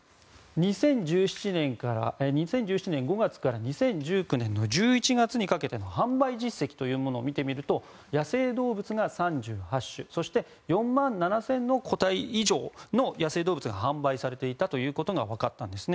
２０１７年５月から２０１９年１１月にかけての販売実績というものを見てみると野生動物が３８種そして４万７０００の個体以上の野生動物が販売されていたことが分かったんですね。